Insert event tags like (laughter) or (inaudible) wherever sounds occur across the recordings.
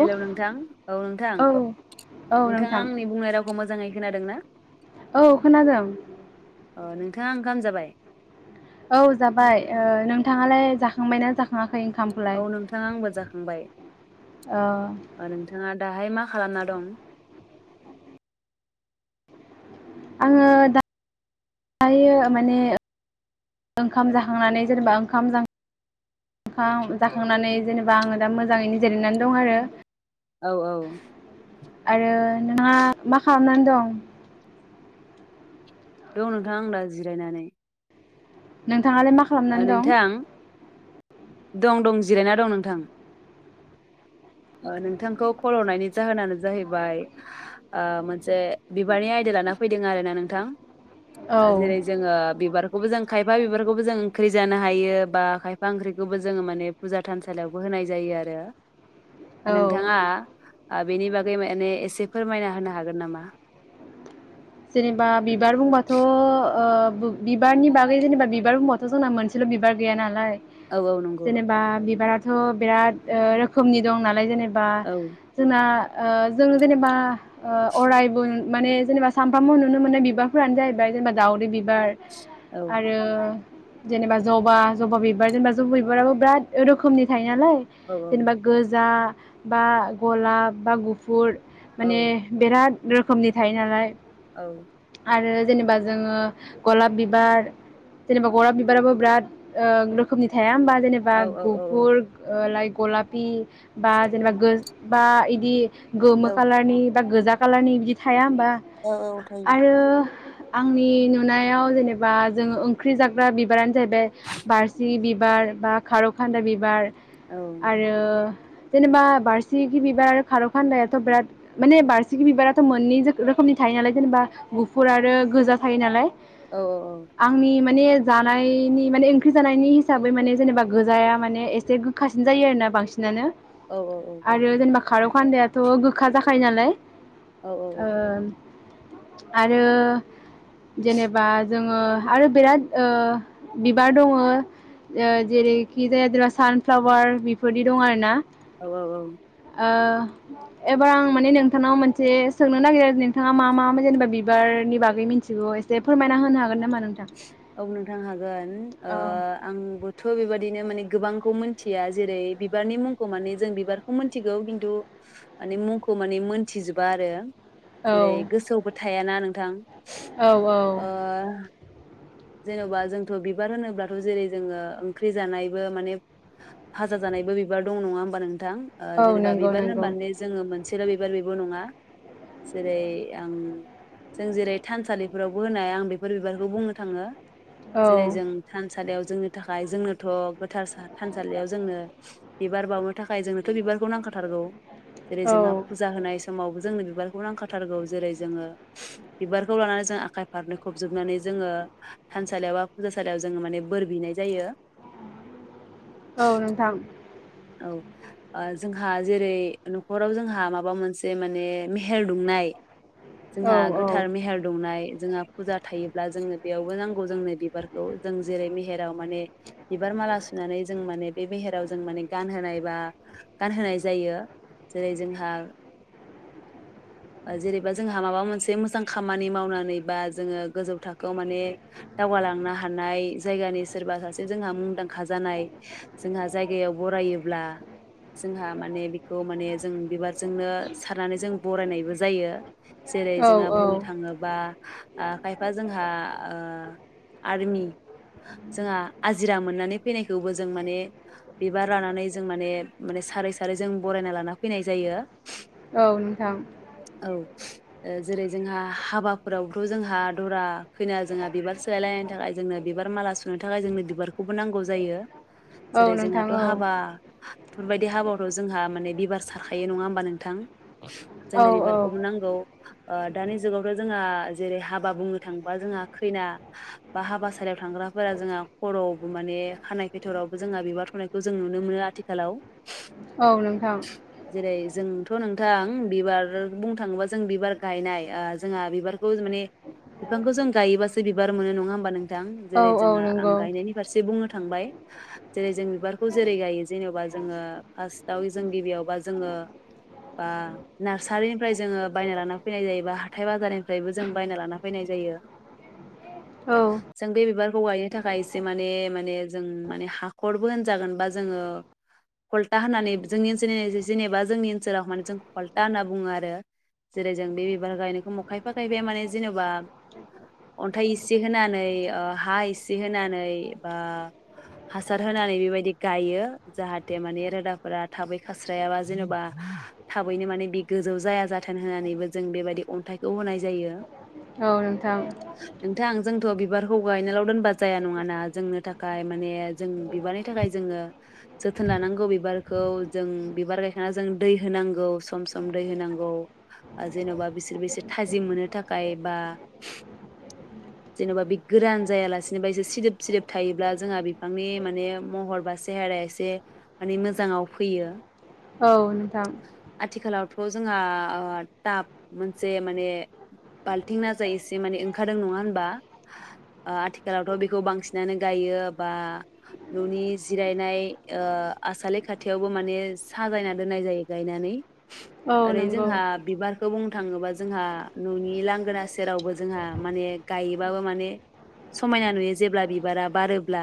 Hello नोंथां औ नोंथां औ नोंथाङा नोंथां आंनि बुंनाय रावखौ मोजाङै खोनादों ना? औ खोनादों। अ नोंथाङा ओंखाम जाबाय? औ जाबाय ओ नोंथाङालाय जाखांबायना जों जाखाङा? औ नोंथां आंबो जाखांबाय ओ ओ नोंथाङा दाहाय मा खालामना दं? आङो दा दायो माने ओंखाम जाखांनानै जेनेबा ओंखाम जां ओंखां जाखांनानै जेनेबा आङो दा मोजाङैनो जिरायनानै दं आरो। औ औ। आरो नोंहा मा खालामनानै दं? दं नोंथां आं दा जिरायनानै। नों थाङालाय मा ओ खालामनानै दं? नोंथां दं दं जिरायना दं नोंथां। ओ नोंथांखौ खल हरनायनि जाहोनानो जाहैबाय ओ मोनसे बिबारनि आयदा लाना फैदों आरोना नोंथां। औ ओ जेरै जोङो बिबार खौबो जों खायफा बिबारखौबो जों ओंख्रि जानो हायो बा खायफा ओंख्रिखौबो जोङो माने फुजा थानसालियावबो होनाय जायो आरो। ओ औ नोंथाङा आ बेनि बागै माने एसे फोरमायना होनो हागोन नामा? जेनेबा बिबार बुंबाथ' ओ बो बिबारनि बागै जेनेबा बिबार बुंबाथ' जोंना मोनसेल' बिबार गैया नालाय औ औ नंगौ जेनेबा बिबारा थ बिराद ओ रोखोमनि दं नालाय जेने बा औ जोंना ओ जों जेनेबा ओ अरायबुन माने जेनेबा सानफ्रामबो नुनो मोननाय बिबारफोरानो जाहैबाय जेनेबा दाावदै बिबार औ आरो जेनेबा जबा जबा बिबार जेनेबा जबा बिबाराबो बिराद रोखोमनि थायो नालाय औ जेनेबा गोजा बा गलाब बा गुफुर औ माने बिराद (unintelligible) खोमनि थायो नालाय औ। आरो जेनेबा जोङो गलाब बिबार जेनेबा गलाब बिबाराबो बिराद ओ रोखोमनि थाया होमबा? जेनेबा औ गुफुर लाइक गलापि बा जेनेबा गोज बा इद दि गोमो औ कालारनि बा गोजा कालारनि थाया बा औ औ थायो। आरो आंनि नुनायाव जेनेबा जोंङ ओंख्रि जाग्रा बिबारानो जाहैबाय बारसिगि बिबार बा खारौखान्दाय बिबार औ आरो जेनेबा बारसिकि बिबार आरो खारौखान्दायाथ' बिराद माने बारसिकि बिबारा मोननै जोखो रोखोमनि थायो नालाय जेनेबा गुफुर आरो गोजा थायो नालाय औ औ औ। आंनि माने जानायनि माने ओंख्रि जानायनि हिसाबै माने जेनेबा गोजाया माने एसे गोखासिन जायो आरोना बांसि नानो औ आरो जेनेबा खारौखान्दायाथ' गोखा जाखायो नालाय औ ओ आरो जेनेबा जोङो आरो बिराद ओ बिबार दङ ओ जेरैखि जाया (unintelligible) सानफ्लावार बेफोरदि दं आरो ना। औ औ औ। ओ एबार आं माने नोंथांनाव मोनसे से सोंनो नागिरो नोंथाङा मा मा जेनेबा बिबारनि बागै मिन्थिगौ एसे फोरमायना होनो हागोन नामा नोंथां? औ नोंथां हागोन ओ औ आंबोथ' बेबा दिनो माने गोबांखौ मोनथिया जेरै बिबारनि मुंखौ माने जों बिबारखौ मोनथिगौ किन्थु माने मुंखौ माने मोनथिजोबा आरो औ जेरै गोसोआवबो थायाना नोंथां। औ औ। ओ जेन'बा जोंथ' बिबार होनोब्लाथ' जेरै जोङो ओंख्रि जानायबो माने फाजा जानायबो बिबार दं नङा होमबा नों थां औ जेनेबा नंगौ बिबार नंगौ होनबाने जोङो मोन मोनसेल' बिबार बेबो नङा जेरै आं जों जेरै थानसालिफोरावबो होनाय आं बेफोर बिबारखौ बुंनो थाङो। औ जेरै जों थान थानसालियाव जोंनि थाखाय जोंनोथ' गोथार थानसालियाव जोंनो बिबार बावनो थाखाय जोंनोथ' बिबारखौ नांखाथारगौ। जेरै औ जोंहा फुजा होनाय समावबो जोंनो बिबारखौ नांखाथारगौ जेरै जोंङो बिबारखौ लानानै जों आखाइ फारनै खबजोबनानै जोंङो थानसालियाव बा फुजासालियाव जोंङो माने बोर बिनाय जायो। औ नोंथां औ जोंहा जेरै न'खराव जोंहा माबा मोनसे माने मेहेर दुंनाय औ जोंहा औ गोथार मेहेर दंनाय। जोंहा फुजा थायोब्ला जोंङो बेयावबो नांगौ जोंनो बिबारखौ जों जेरै मे हेराव माने बिबार माला सुनानै जों माने मेहेराव जों माने गानहोनाय बा गानहोनाय जायो जेरै जोंहा जेरैबा जोंहा माबा मोनसे मोजां खामनि मावनानै बा जों गोजौ था खो आव माने दावगालांनो हानाय जायगानि सोरबा सासे जोंहा मुंदांखा जानाय जोंहा जायगायाव बरायोब्ला जोंहा माने बेखौ माने जों बिबार जोंनो सारनानै जों बरायनायबो जायो। जेरै औ जोंहा बुंनो औ थाङोबा ओ खायफा ओ आरमि जोंहा आजिरा मोननानै फैनायखौबो जों माने बिबार लानानै जों माने-माने सारै-सारै जों बरायना लाना फैनाय जायो। औ नोंथां। औ ओ जेरै जोंहा हाबाफोरावथ' जोंहा। दरा खैना जोंहा बिबार सोलायलायनायनि थाखाय जोंनो बिबार माला सुनो थाखाय जोंनो बिबारखौबो नांगौ जायो औ जेरै नोंथां जोंहाथ' औ हाबा बेफोरबायदि हाबायावथ' जोंहा माने बिबार सारखायो नङा होमबा नोंथां। औ जोंनो बिबारखौबो नांगौ दानि जुगावथ' जोंहा जेरै हाब हाबा बुंनो थांबा जोंहा खैना बा हाबासालियाव थांग्राफोरा जोंहा खर'बो माने खानाय फेथरावबो जोंहा बिबार थ'नायखौ जों नुनो मोनो आथिखालाव। औ नोंथां। जेरै जोंथ' नोंथां बिबार बुंनो थाङोबा जों बिबार गायनाय जोंहा बिबारखौ माने बिफांखौ जों गायोबासो बिबार मोनो नङा होमबा नों थां औ जेरै औ जोंहा आं नंगौ गायनायनि फारसे बुंनो थांबाय जेरै जों बिबारखौ जेरै गायो जेनेबा जों फासत आव जों गिबियावबा जों आं नारसारिफ्राय लाना फैनाय जायोंबा हाथाय बाजारनिफ्राय बायना लाना फैनाय जायो औ जों बे बिबारखौ गायनो थाखाय माने-माने जों हाखरबो जागोनबा जों ओ खलथा होनना जोंनि ओनसोलनि जेनेबा जोंनि ओनसोलाव जों खलथाहोना बुङो आरो जेरै जों बे बिबार गायनायखौ खायफा खायफाया मने जेनेबा अन्थाइ एसे होनानै हा इसे होनानै बा हासार होनानै बेबायदि गायो जाहाथे माने रोदाफोरा थाबै खास्रायाबा जेनेबा थाबैनो माने बे गोजौ जाया जाथों होनानैबो जों बेबायदि अन्थाइखौ होनाय जायो। औ नोंथां नोंथां जोंथ'बि बिबारखौ गायनायल' दोनबा जाया नङाना जोंनो थाखाय माने जों बिबारनि थाखाय जोङो जोथोन लानांगौ बिबारखौ जों बिबार गायखांना जों दै होनांगौ सम-सम दै होनांगौ जेन'बा बिसोर-बिसोर थाजिम मोननो थाखाय गायबा जेन'बा बे गोरान जायालासेनोबा एसे सिदोब सिदोब थायोब्ला जोंहा बिफांनि माने महर बा सेहेराया एसे माने मोजाङाव फैयो। औ नोंथां थ' जोंहा टाब मोनसे माने बाल्थिं नाजाय एसे माने ओंखारदों नङा होनबा आथिखालावथ' बेखौ बांसिनानो गायो बा न'नि जिरायनाय ओ आसालि खाथियावबो माने साजायना दोननाय जायो गायनानै औ ओरै नंगौ जोंहा बिबारखौ बुं थाङोबा जोंहा न'नि लांगोना सेरावबो जोंहा माने गायोबाबो माने समायना नुयो जेब्ला बिबारा बारोब्ला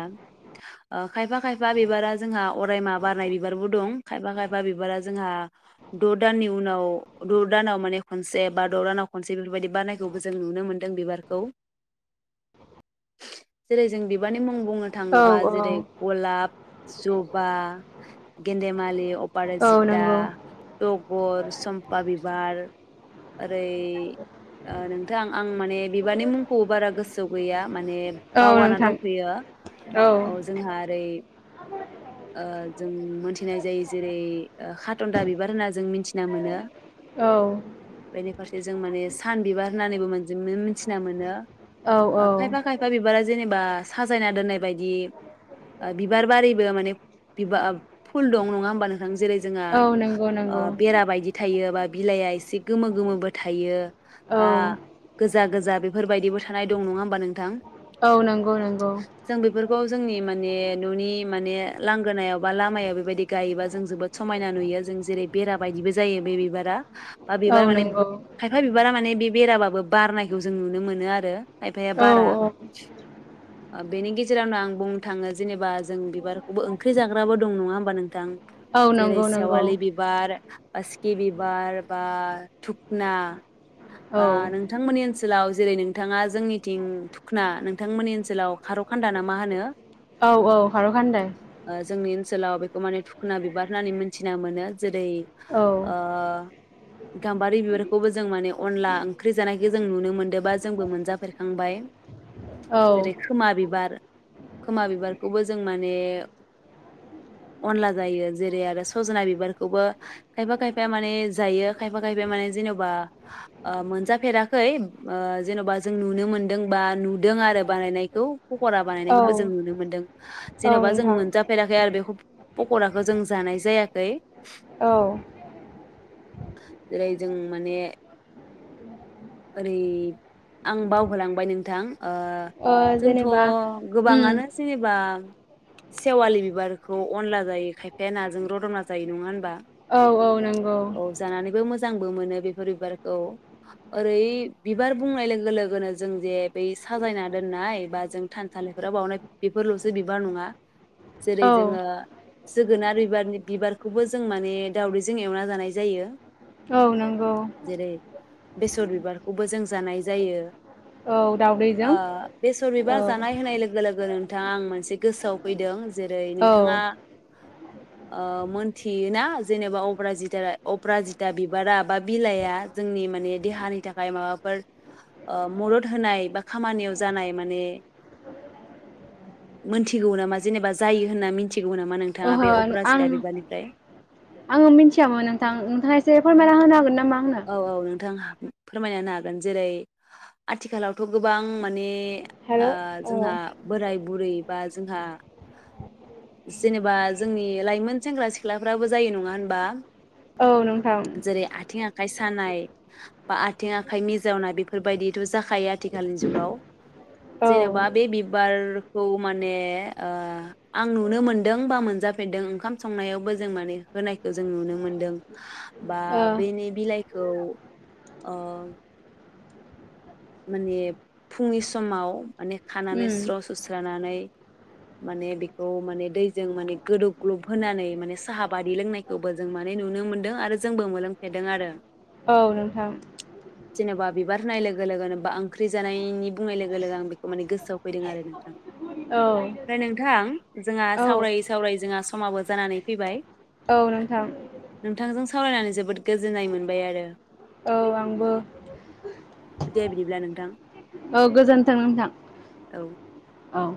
ओ खायफा खायफा बिबारा जोंहा अरायमा बारनाय बिबारबो दं खायफा खायफा बिबारा जोंहा द' दाननि उनाव द' दानाव माने खनसे बा द' दानाव खनसे बेफोरबायदि बारनायखौबो जों नुनो मोन्दों बिबारखौ जै जों बिबारनि मुं बुंनो औ थाङोबा औ जेरै गलाब जबा, गेन्देमालि, अप औ पाराजिटा नंगौ (unintelligible) गर, चम्फा बिबार ओरै ओ नों थां आं माने बिबारनि मुंखौबो बारा गोसोआव गैया माने औ बावाना नोंथां दंफैयो औ जोंहा ओरै ओ जों मोनथिनाय जायो जेरै खाटनन्दा बिबार होनना जों मिथिना मोनो औ (unintelligible) जों माने सान बिबार होननानैबो मोन मिथिना मोनो औ अ औ खायफा खायफा बिबारा जेनेब बा साजायना दोननाय बायदि ओ बिबार बारिबो माने फुल दं नङा होम्बा नोंथां जेरै जोंहा औ नंगौ ओ नंगौ बेरा बायदि थायो बा बिलाइआ एसे गोमो गोमो बोथ थायो बा औ गोज जा गोजा बेफोरबायदिबो थानाय दं नङा होमबा नोंथां? औ नंगौ नंगौ खौ जोंनि माने न'नि माने लांगोनायाव बा लामायाव बेबायदि गायोबा जों जोबोद समायना नुयो जों जेरै बेरा बायदिबो जायो बे बिबारा बा औ बिबार माने नंगौ खायफा बिबारा माने बे बेराबाबो बारनायखौ जों नुनो मोनो आरो खइफाया औ बारा औ बेनि गेजेरावनो आं बुंनो थाङो जेनेबा जों बिबारखौबो ओंख्रि जाग्राबो दं नङा होम्बा नोंथां? औ जेरै नंगौ नंगौ सेवालि बिबार बासकि बिबार बा थु ना औ बा ओ नोंथांमोननि ओनस सोलाव जेरै नोंथाङा जोंनिथिं थुखना नोंथांमोननि ओनसोलाव खार' खान्दा ना मा होनो? औ औ खारौ खानदाय। ओ जोंनि ओनसोलाव बेखौ माने थुखना बिबार होननानै मिथिना मोनो। जेरै औ ओह। गाम बारि बिबारखौबो जों माने अनला ओंख्रि जानायखौ जों नुनो मोनदों बा जोंबो मोनजाफेरखांबाय। औ जेरै खोमा बिबार। खोमा बिबारखौबो जों माने अनला जायो जेरै आरो सजना बिबारखौबो खायफा खायफाया माने जायो खायफा ख खायफा बा माने जेनबा मोनजाफेराखै जेनबा जों नुनो मोनदों बा नुदों आरो बानायनायखौ। पकरा बानायनायखौबो जों औ नुनो मोन्दों औ जेनबा जों नोंथां मोनजाफेराखै आरो बेखौ पकराखौ जों जानाय जायाखै। औ। (inaudible) जेरै जों माने ओरै आं बावहोलांबाय नोंथां। ओ ओह जोंथ जेनेबा उम गोबाङानो जेनेबा सेवालि बिबारखौ अनला जायो खायफाया नाजों रदना जायो नङा होनबा। औ औ नंगौ। औ जानानैबो मोजांबो मोनो बेफोर बिबारखौ। ओरै बिबार बुंनाय लोगो लोगोनो जों जे बै साजायना दोननाय बा जों थानसालिफोराव बावनाय बेफोरलसो बिबार नङा। जेरै औ जोङो जोगोनार बिबारनि बिबारखौबो जों माने दावदैजों एवना जानाय जायो। औ नंगौ। जेरै बेसर बिबारखौबो जों जानाय जायो। औ दाउदैजों ओह बेसर औ बिबार जानाय होनाय लोगो लोगो नों बिथां आं मोनसे गोसोआव फैदों जेरै औ नोंथाङा ओह मोनथियोना जेनेबा अप्राजिथारा-अप्रााजिता बिबारा बा बिलाइआ जोंनि माने देहानि थाखाय माबाफोर ओह मदद होनाय बा खामानियाव जानाय माने मोनथिगौ नामा जेनेबा जायो होनना मिथिगौ नामा नोंथाङा? ओहो बे आं अप्राजिथा आङो बिबारनिफ्राय। मिथियामोन नोंथां नोंथाङा एसे फोरमायना होनो हागोन ना? औ औ नोंथां हा फोरमायना होनो हागोन जेरै आथिखालावथ गोबां माने हेलौ ओह औ जोंहा बोराय बुरै बा जोंहा जेनेबा जोंनि लाइमोन सेंग्रा सिख्लाफ्राबो जायो नङा होनबा। औ नोंथां। जेरै आथिं आखाइ सानाय बा आथिं आखाइ मिजावनाय बेफोरबायदिथ' जाखायो आथिखालनि जुगाव औ जेन'बा ओ बे बिबारखौ माने ओ आं नुनो मोनदों बा मोनजाफेरदों ओंखाम संनायावबो जों माने होनायखो जों नुनो मोनदों बा बेनि बिलाइखौ ओ माने फुंनि समाव माने खानानै उम स्र' सु स्रानानै माने बेखौ माने दैजों माने गोदौ ग्लब होनानै माने साहा बादि लोंनायखौबो जों माने नुनो मोनदों आरो जोंबो मोनलों फेरदों आरो। औ नोंथां जेनेबा बिबार होनाय लोगो गो लोगोन बा ओंख्रि जानायनि बुंनाय लोगो लोगो आं बेखौ माने गोसोआव फैदों आरो नोंथां। औ फ्राय नोंथां जोंहा औ सावरायै सावरायै जोंहा समाबो जानानै फैबाय। औ नोंथां नोंथांजों सावरायनानै जोबोद गोजोननाय मोनबाय आरो। औ आंबो दे बिदिब्ला नोंथां। औ गोजोन्थों नोंथां। औ औ